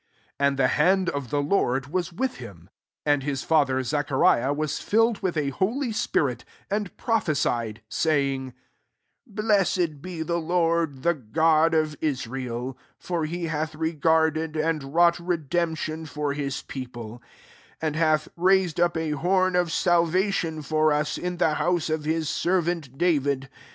And the hand of the Lord fas vdeh htm. 67 And his father Zachariah HIS Jailed with a holy sfurity and rofihe^ed i sayings 68 " Blessed e the lArrdy the God of Israel; w he hath regardedyond wrought fdemfition for his fieofile } 69 nd hath raised up a horn of saU ationjbr usy in the house of his frvant David i.